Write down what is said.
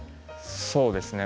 そうですね。